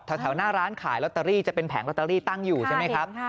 แถวหน้าร้านขายลอตเตอรี่จะเป็นแผงลอตเตอรี่ตั้งอยู่ใช่ไหมครับ